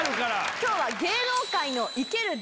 今日は。